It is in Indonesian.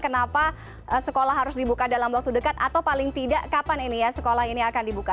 kenapa sekolah harus dibuka dalam waktu dekat atau paling tidak kapan ini ya sekolah ini akan dibuka